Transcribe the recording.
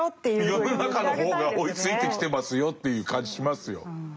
世の中の方が追いついてきてますよという感じしますよ。